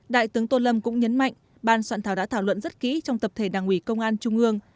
đại tướng tô lâm cũng nhấn mạnh ban soạn thảo đã thảo luận rất kỹ trong tập thể đảng ủy công an trung ương